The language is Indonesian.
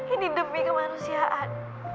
ini demi kemanusiaan